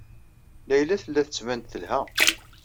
Layla tella tettban-d telha.